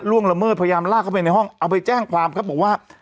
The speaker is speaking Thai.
ละเมิดพยายามลากเข้าไปในห้องเอาไปแจ้งความครับบอกว่า